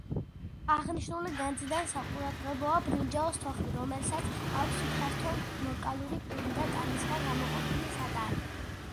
აღნიშნული განძიდან საყურადღებოა ბრინჯაოს თოხი, რომელსაც აქვს ფართო მორკალური პირი და ტანისაგან გამოყოფილი სატარე.